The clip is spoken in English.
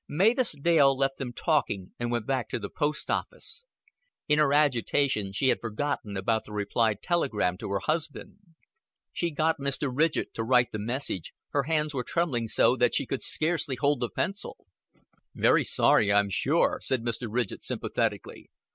Mavis Dale left them talking and went back to the post office. In her agitation she had forgotten about the reply telegram to her husband. She got Mr. Ridgett to write the message her hands were trembling so that she could scarcely hold the pencil. "Very sorry, I'm sure," said Mr. Ridgett sympathetically.